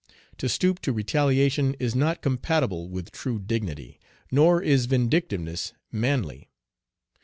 To stoop to retaliation is not compatible with true dignity, nor is vindictiveness manly.